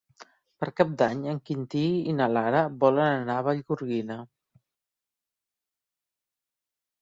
Per Cap d'Any en Quintí i na Lara volen anar a Vallgorguina.